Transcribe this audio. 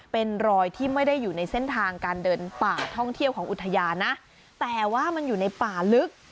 เป็นรอยที่ไม่ได้อยู่ในเส้นทางการเดินป่าท่องเที่ยวของอุทยานนะแต่ว่ามันอยู่ในป่าลึก